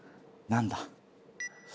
何だ？